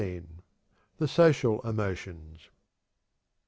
The Social Emotions.